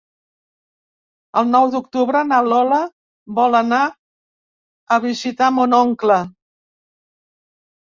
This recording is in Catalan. El nou d'octubre na Lola vol anar a visitar mon oncle.